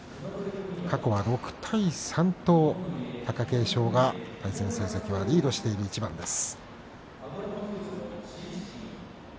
過去は６対３と貴景勝がリードしている一番です。